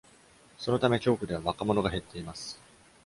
そのため、教区では若者が減っています。